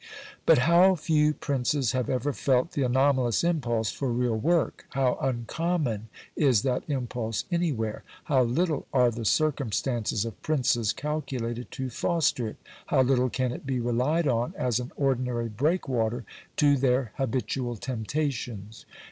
But how few princes have ever felt the anomalous impulse for real work; how uncommon is that impulse anywhere; how little are the circumstances of princes calculated to foster it; how little can it be relied on as an ordinary breakwater to their habitual temptations!